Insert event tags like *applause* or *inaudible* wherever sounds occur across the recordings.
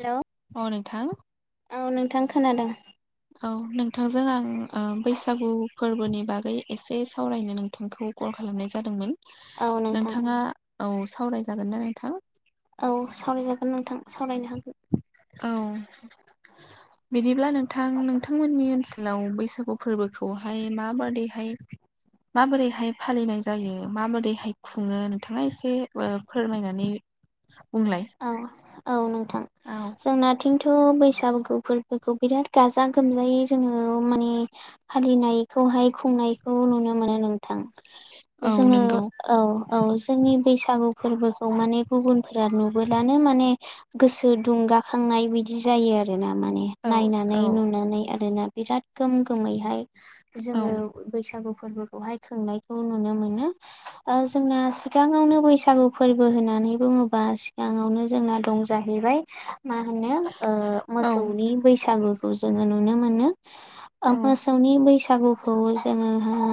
Hello औनोंथां। औ नोंथां खोनादों। औ नोंथांजों आं बैसागु फोरबोनि बागै एसे सावरायनो नोंथांखौ गल। खालामनाय जादोंमोन। औ नोंथां। नोंथाङा औ सावरायजागोन ना नोंथां? औ सावरायजागोन नोंथां। सावरायनो हागोन औ बिदिब्ला नोंथां नोंथांमोननि ओनस--। लाव बैसागु फोरबोखौहाय माबादैहाय। माबोरैहाय फालिनाय जायो माबोरैहाय खुङो नोंथाङा एसे फोरमायनानै। *inaudible* औ औ नोंथां औ जोंना। बिथिंथ' बैसागु फोरबोखौ बिराद गाजा गोमजायै जोङो माने फालिनाय। हायखौहाय खुंनायखौ नुनो मोनो नोंथां औ जोङो नंगौ औ। औ जोंनि बैसागु फोरबोखौ माने गुबुन फोरानो। बोलानो माने गोसो दुंगाखांनाय बिदि जायो आरो ना। माने औ नायनानै औ नुनानै आरोना बिराद गोम गोमैहाय। औ जोङो बैसागु। फोरबोखौहाय खुंनायखौ नुनो मोनो ओ जोंना सिगाङावनो बैसागु फोरबो होनान--। होननानै बुङोबा सिगाङावनो जोंना दं जाहैबाय मा होनो ओ। औ मोसौनि बैसागुखौ जोङो नुनो मोनो ओ मोसौनि बैसागुखौ। खौ जोङोहा।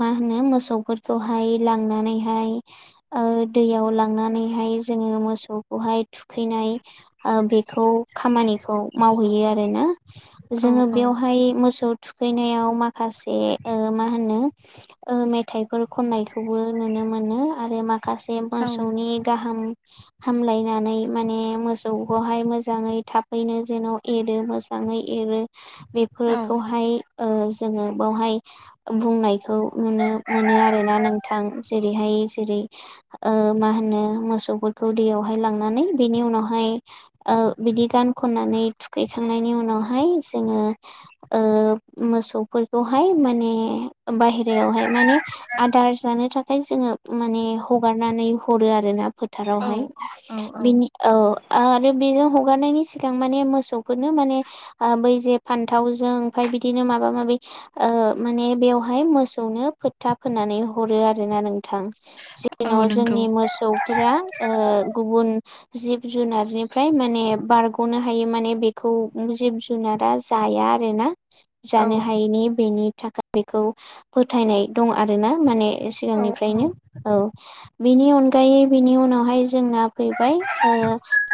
मा होनो मोसौफोरखौहाय लांनानैहाय ओ दैयाव लांनानैहाय। जोङो मोसौखौहाय थुखैनाय ओ बेखौ खामानिखौ मावहैयो आरोना। औ जोङो बेवहाय मोसौ। थुखैनायाव माखासे मा होनो मेथाइफोर खननायखौबो नुनो। मोनो आरो माखासे मोसौनि गाहाम। हामलायनानै माने मोसौखौहाय मोजाङै थाबैनो जेन' एरो मोजाङै। एरो बेफोरखौहाय। ओ जोङो बावहाय बुंनायखौ नुनो मोनो आरोना नोंथां जेरैहाय। जेरै मा होनो मोसौखौ। दैयावहाय लांनानै बिनि उनावहाय ओ बिदि गान खननानै थुखैखां। नायनि उनावहाय जोङो मोसौफोरखौहाय माने। बाहेरायावहाय माने आदार जानो थाखाय जोङो माने हगारनानै हरो आरोना फोद--। औ फोथारावहाय औ औ बिनि। आरो बेजों हगारनायनि सिगां माने मोसौफोरनो माने बै जे फान्थावजों। बिदिनो माबा माबि माने बेवहाय मोसौनो फोथा फोननानै हरो आरोना नों। औ जेन' नंगौ जोंनि मोसौ। ओ गुबुन जिब जुनारनिफ्राय माने बारग'नो हायो माने बेखौ। जिब जुनारा जाया आरो ना। औ जानो हायैनि बेनि थाखाय बेखौ फोथायनाय दं आरोना माने। औ औ सिगांनिफ्रायनो औ बिनि अनगायै बिनि उनावहाय। जोंना फैबाय ओ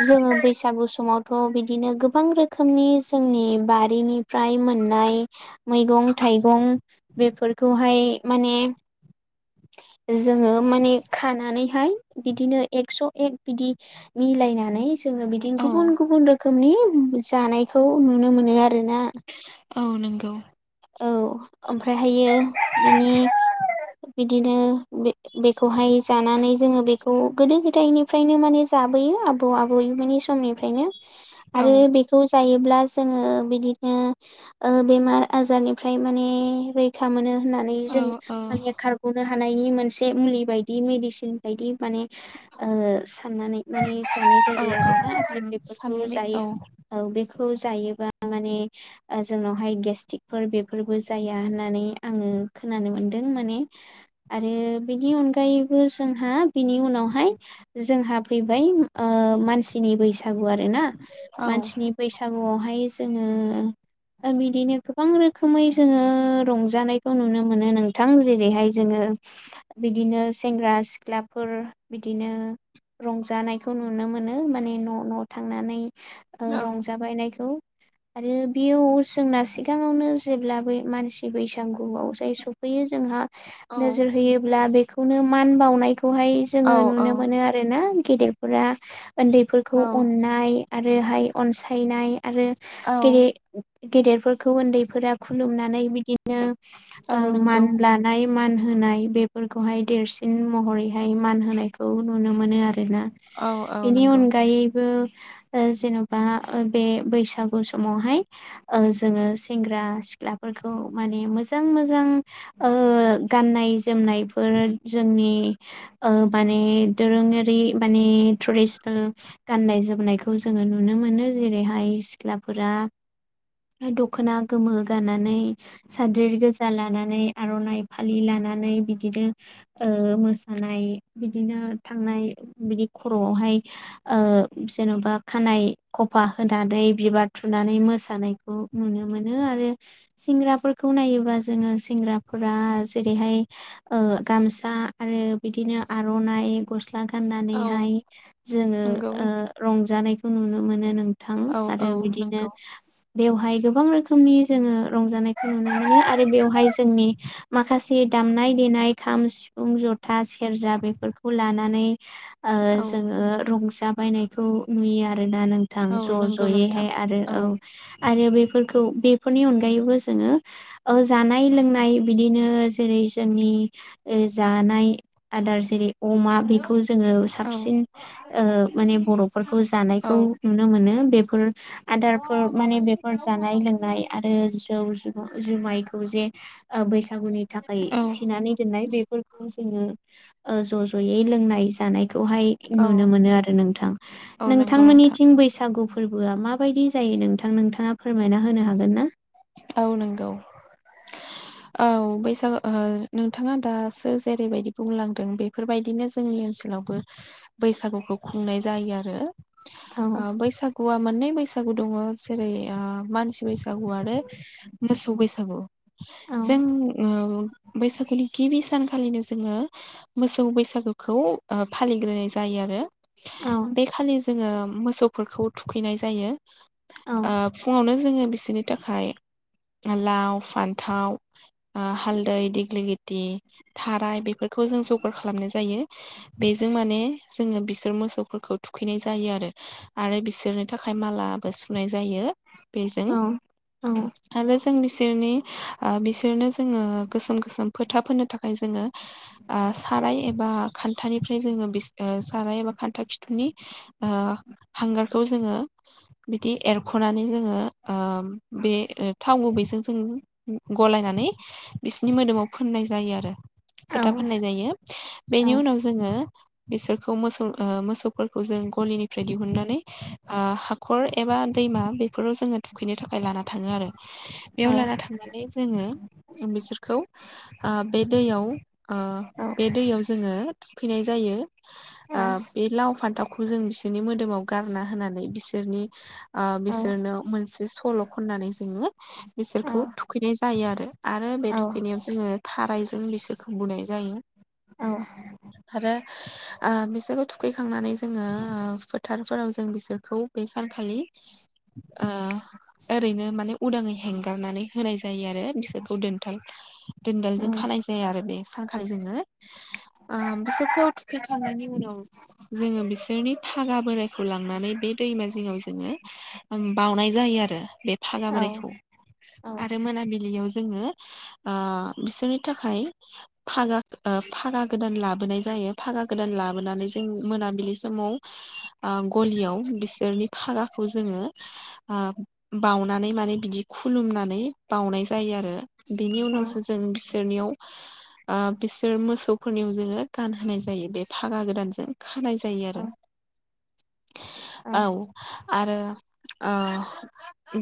जोङो बैसागु समाव। खौ बिदिनो गोबां रोखोमनि जोंनि बारिनिफ्राय मोननाय। मैगं थाइगं बेफोरखौहाय माने जोङो माने खानानैहाय बिदिनो एकस' एक बिदि मिलायनानै जोङो बिदिनो औ गुबुन गुबुन रोखोम रोखोमनि जानायखौ नुनो मोनो आरो औ नंगौ औ ओमफ्रायहायो बिनि बिदिनो बे बेखौहाय जानानै जोङो गोदो गोदायनिफ्रायनो माने जाबोयो आबौ आबै मो समनिफ्रायनो औ आरो बेखौ जायोब्ला जोङो बिदिनो बेमार आजारनिफ्राय माने रैखा मोनो होननानै औ जों औ माने खारग'नो हानायनि मोनसे मुलि बायदि मेडिसिन बायदि माने साननानै माने जानाय औ जायो आरोना सान बेफोरखौ साननानै जायो औ औ बे खौ जायोबा माने जोंनावहाय गेस्टिकफोर बेफोरबो जाया होननानै आङो खोनानो मोनदों माने आरो बेनि अनगायैबो जोंहा बिनि उनावहाय जोंहा फैबाय मानसिनि बैसो बैसागु आरोना औ मानसिनि बैसागुआवहाय जोङो बिदिनो गोबां रोखोमै जोङो रंजानायखौ नुनो मोनो नोंथां जेरैहाय जोङो बिदिनो सेंग्रा सिख्ला फोर बिदिनो रंजानायखौ नुनो मोनो माने न' न' थांनानै औ रंजाबायनायखौ आरो बेयाव जोंना सिगाङावनो जेब्लाबो मानसि बैसागु जाय सफैयो जोंहा औ नोजोर होयोब्ला बेखौनो मान बावनाय हाय जोङो औ नुनो मोनो आरोना गेदेरफोरा उन्दैफोरखौ औ अननाय आरो आरोहाय अनसायनाय आरो औ गेरे गेदेरफोरखौ उन्दैफोरा खुलुमनानै बिदिनो औ मान नंगौ लानाय मान होनाय बेफोरखौहाय देरसिन महरैहाय मान होनायखौ नुनो मोनो आरो आरोना औ औ बेनि नंगौ अनगायैबो जेन'बा बे बैसागु समावहाय जोङो सेंग्रा सिख सिख्लाफोरखौ माने मोजां मोजां गाननाय जोमनायफोर जोंनि माने दोरोङारि माने ट्रेडिसनेल गाननाय जोमनायखौ जोङो नुनो मोनो जेरैहाय सिख्लाफोरा दख'ना गोमो गानानै साद्रि गोजा लानानै आर'नाइ फालि लानानै बिदिनो मोसानाय बिदिनो थांनाय बिदि खर'आवहाय जेन'बा नाय खफा होनानै बिबार थुनानै मोसानायखौ नुनो मोनो आरो सेंग्राफोरखौ नायोबा जोङो सेंग्राफोरा जेरैहाय गामसा आरो बिदिनो आर'नाइ गस्ला औ गाननानैहाय जोङो नंगौ रंजानाय खौ नुनो मोनो नोंथां औ आरो औ बिदिनो नंगौ बेवहाय गोबां रोखोमनि जोङो रंजानायखौ नुनो मोनो आरो बेवहाय जोंनि माखासे दामनाय देनाय खाम सिफुं जथ था सेरजा बेफोरखौ लानानै औ जोङो रंजा बायनायखौ नुयो आरोना नोंथां औ ज' नंगौ नोंथां ज'यैहाय आरो औ आरो बेफोरखौ बेफोरनि अनगायैबो जोङो जानाय लोंनाय बिदिनो जेरै जोंनि जानाय आदार जेरै अमा बेखौ जोङो औ साबसिन माने बर'फोरखौ जानाय औ नुनो मोनो बे आदारफोर माने बेफोर जानाय लोंनाय आरो जौ जुग जुमायखौ जे बैसागुनि थाखाय औ थिनानै दोननाय बेफोरखौ जोङो ज' ज'यै लोंनाय जानाय खौहाय औ नुनो मोनो आरो नोंथां औ नंगौ नोंथां नोंथांमोननिथिं बैसागु फोरबोआ माबायदि जायो नोंथां नोंथाङा फोरमायना होनो हागोन ना औ नंगौ औ बैसागु नोंथाङा दासो जेरैबायदि बुंलांदों बेफोरबायदिनो जोंनि ओनसोलाव वबो बैसागुखौ खुंनाय जायो आरो औ बैसागुआ मोननै बैसागु दङ जेरै मानसि बैसागु आरो मोसौ बैसागु औ जों ओ बैसागुनि गिबि सानखालिनो जोङो मोसौ बैसागुखौ फालिग्रोनाय जायो आरो औ बे खालि जोङो मोसौफोरखौ थुखैनाय जायो। औ फुङावनो जोङो बिसोरनि थाखाय लाव फान्थाव हालदै देग्लिलिथि थाराय बेफोरखौ जों जगार खालामनाय जायो बेजों माने जोङो बिसोर मोसौफोरखौ थुखैनाय जायो आरो आरो बिसोरनि थाखाय मालाबो सुनाय जायो बेजों औ आरो जों बिसोरनि बिसोरनो जोङो गोसोम गोसोम फोथा फोननो थाखाय जोङो साराय एबा खान्थानिफ्राय जोङो साराय एबा खान्था खिथुनि हांगारखौ जोङो बिदि एरख'नानै जोङो ओ बे थाव गुबैजों जों गलायनानै बिसोरनि मोदोमाव फोननाय जायो आरो औ फोथा फोननाय जायो औ बेनि उनाव जोङो बिसोरखौ मोसौ मोसौफोरखौ जों गलिनिफ्राय दिहुननानै हाखर एबा दैमा बेफोराव जोङो थुखैनो थाखाय लाना थाङो आरो औ बेयाव लाना थांनानै जोङो बिसोरखौ बे दैयाव औ बे दैयाव जोङो थुखैनाय जायो औ आ बे लाव फान्थाव जों बिसोरनि मोदोमाव गारना होनानै बिसोरनि बिसोरनो मोनसे सल' नानै जोङो औ बिसोरखौ थुखैनाय जायो आरो आरो बे थुखैनायाव जोङो थारायजों बिसोरखौ बुनाय जायो। *inaudible* *inaudible* बिसोरखौ थुखैखांनानै जोङो फोथारफोराव जों बिसोरखौ बे सानखालि ओरैनो माने उदाङै हेंगारनानै होनाय जायो आरो बिसोरखौ दोनथाल दोनदालजों खानाय जाया आरो बे थाखाय जोङो बिसोरखौ थुखैखांनायनि उनाव जोङो बिसोरनि फागा बोरायखौ लांनानै बे दैमा जिङाव जोङो बावनाय जायो आरो बे फागाबोरायखौ आरो मोनाबिलियाव जोङो बिसोरनि थाखाय फागा फागा गोदान लाबोनाय जायो। फागा गोदान लाबोनानै जों मोनाबिलि समाव गलियाव बिसोरनि फागाखौ जोङो बाउनानै माने बिदि खुलुमनानै बावउनाय जायो आरो बेनि उनावसो जों बि बिसोरनियाव बिसोर मोसौफोरनियाव जोङो गानहोनाय जायो बे फागा गोदानजों खानाय जायो आरो औ आरो ओ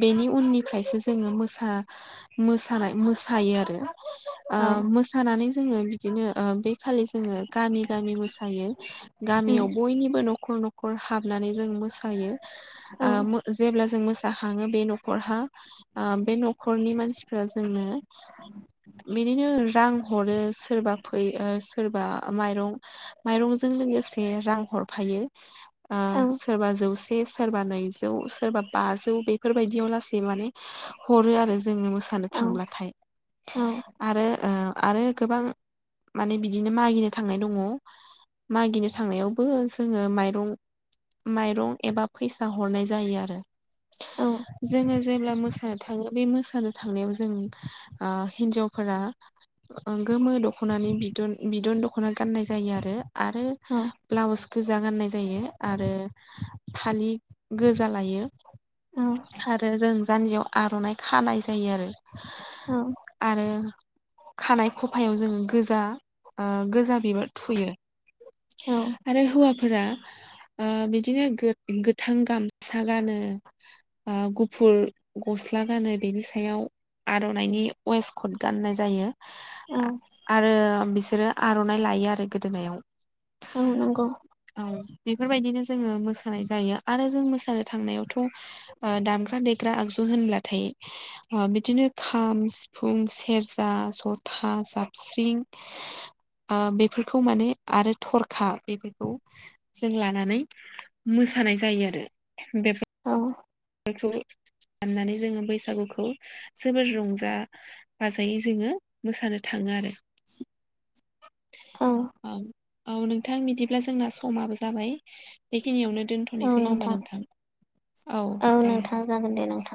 बेनि उननिफ्रायसो जोङो मोसा मोसानाय मोसायो आरो औ मोसानानै जोङो बिदिनो बे खालि जोङो गामि गामि मोसायो औ गामियाव बयनिबो न'खर न'खर हाबनानै मोसायो औ नंगौ ओ जेब्ला जों मोसा खाङो बे न'खरहा बे न'खरनि मानसिफ्रा जोंनो बिदिनो रां हरो सोरबा फै सोरबा माइरं माइरंजों लोगोसे रां हरफायो सोरबा जौसे सोरबा नैजौ सोरबा बा बेफोरबायदियाव लासै माने हरो आरो जोङो मोसानो थांब्लाथाय आरो ओ आरो गोबां माने बिदिनो मागिनो थांनाय दङ मागिनो थांनायावबो जोङो माइरं माइरं एबा फैसा हरनाय जायो आरो जोङो जेब्ला मोसानो थाङो बे मोसानो थांनायाव जों हिन्जावफोरा गोमो दख'नानि बिदन बिदन दख'ना गाननाय जायो आरो आरो ब्लाउस गोजा गाननाय जायो आरो फालि गोजा लायो आरो जों जान्जियाव आर'नाइ खानाय जायो आरो आरो खानाय खफायाव जोङो गोजा गोजा बिबार थुयो आरो हौवा फोरा बिदिनो गोथां गामसा गानो ओ गुफुर गस्ला गानो बेनि सायाव आर'नाइनि वेस कट गाननाय जायो आरो बिसोरो आर'नाइ लायो आरो गोदोनायाव औ नंगौ औ बेफोरबायदिनो जोङो मोसानाय जायो आरो जों मोसानो थांनायावथ' दामग्रा दे ग्रा आगजु होनब्लाथाय बिदिनो खाम सिफुं सेरजा जथा साबस्रिं आ बेफोरखौ माने आरो थरखा बेफोरखौ जों लानानै मो सानाय जायो आरो बे औ फाननानै जोङो बैसागुखौ जोबोद रंजा बाजायै जोङो मोसानो थाङो आरो औ औ-औ नोंथां बिदिब्ला जोंना समाबो जाबाय बेखिनियावनो दोनथ'नोसै होनबा नोंथां औ औ दे नोंथां जागोन दे नोंथां